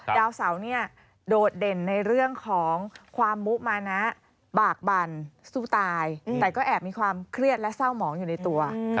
ดาวเสาเนี่ยโดดเด่นในเรื่องของความมุมานะบากบั่นสู้ตายแต่ก็แอบมีความเครียดและเศร้าหมองอยู่ในตัว